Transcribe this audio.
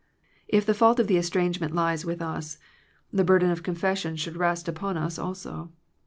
If the fault of the estrangement lies with us, the burden of confession should rest upon us also.